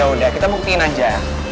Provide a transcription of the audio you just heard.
ya udah kita buktiin aja